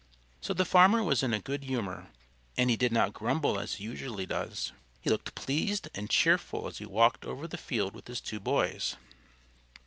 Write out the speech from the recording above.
So the farmer was in a good humour, and he did not grumble as he usually does. He looked pleased and cheerful as he walked over the field with his two boys.